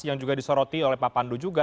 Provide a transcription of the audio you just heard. yang juga disoroti oleh pak pandu juga